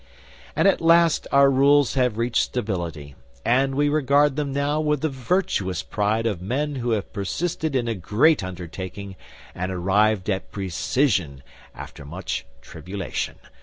And at last our rules have reached stability, and we regard them now with the virtuous pride of men who have persisted in a great undertaking and arrived at precision after much tribulation.